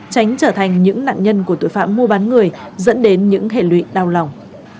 tránh trở thành những nạn nhân của tội phạm mua bán người dẫn đến những hệ lụy đau lòng